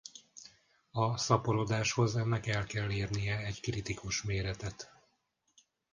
A szaporodáshoz ennek el kell érnie egy kritikus méretet.